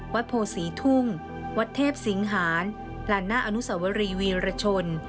โพศรีทุ่งวัดเทพสิงหารลานหน้าอนุสวรีวีรชน